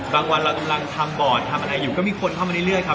วันเรากำลังทำบอร์ดทำอะไรอยู่ก็มีคนเข้ามาเรื่อยครับ